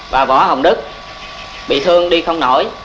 và võ hồng đức bị thương đi không nổi